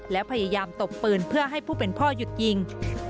และพยายามตบปืนเพื่อให้ผู้เป็นพ่อหยุดยิง